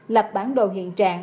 lập bản đồ hiện trạng